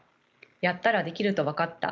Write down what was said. やったらできると分かった。